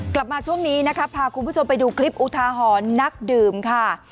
กลับมาช่วงนี้นะคะพาคุณผู้ชมไปดูคลิปอุทาหรณ์นักดื่มค่ะ